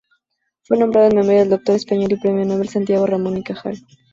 Fue nombrado en memoria del doctor español y premio nobel Santiago Ramón y Cajal.